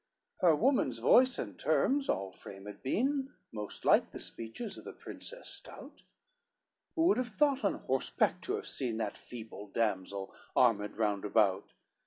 XCVI Her woman's voice and terms all framed been, Most like the speeches of the princess stout, Who would have thought on horseback to have seen That feeble damsel armed round about?